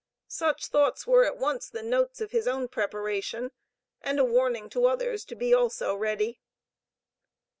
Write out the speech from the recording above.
Such thoughts were at once the notes of his own preparation and a warning to others to be also ready.